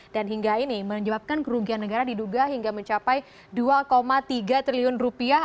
dan hingga ini menyebabkan kerugian negara diduga hingga mencapai dua tiga triliun rupiah